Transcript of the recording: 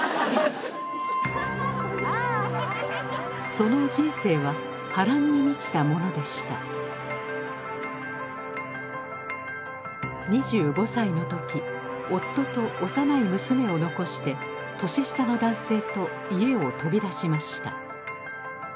その人生は波乱に満ちたものでした２５歳の時夫と幼い娘を残して年下の男性と家を飛び出しました。